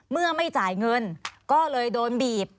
เมื่อไม่จ่ายเงินก็เลยโดนบีบ